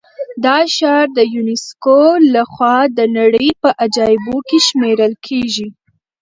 دا ښار د یونسکو له خوا د نړۍ په عجایبو کې شمېرل کېږي.